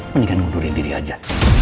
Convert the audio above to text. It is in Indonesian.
mendingan ngundurin diri aja